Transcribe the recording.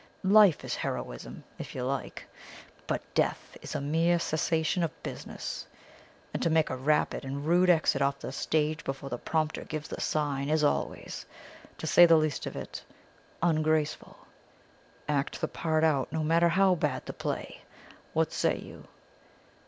LIFE is heroism, if you like; but death is a mere cessation of business. And to make a rapid and rude exit off the stage before the prompter gives the sign is always, to say the least of it, ungraceful. Act the part out, no matter how bad the play. What say you?'